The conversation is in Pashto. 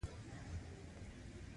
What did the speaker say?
د دواړو په تولید یو شان وخت لګیدلی.